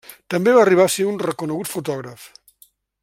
També va arribar a un reconegut fotògraf.